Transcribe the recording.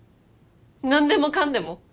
何でもかんでも。